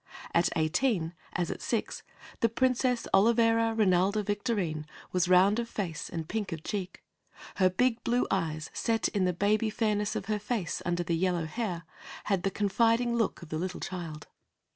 At eighteen, as at six, the Princess Olivera Rinalda Victorine was round of face and pink of cheek. Her big blue eyes, set in the baby fairness of her face under the yellow hair, had the confiding look of a little child.